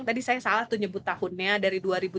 tadi saya salah tuh nyebut tahunnya dari dua ribu tujuh belas